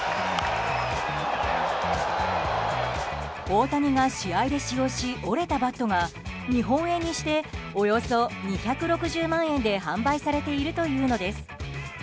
大谷が試合で使用し折れたバットが日本円にしておよそ２６０万円で販売されているというのです。